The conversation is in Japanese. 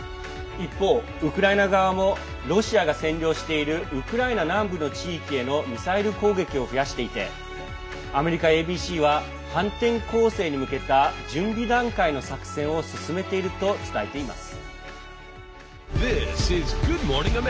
一方、ウクライナ側もロシアが占領しているウクライナ南部の地域へのミサイル攻撃を増やしていてアメリカＡＢＣは反転攻勢に向けた準備段階の作戦を進めていると伝えています。